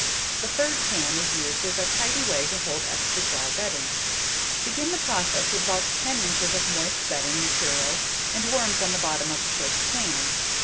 The third can is used as a tidy way to hold extra dry bedding. Begin the process with about 10 inches of moist bedding material and worms on the bottom of the first can.